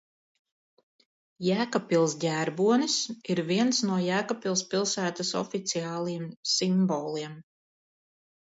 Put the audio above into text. Jēkabpils ģerbonis ir viens no Jēkabpils pilsētas oficiāliem simboliem.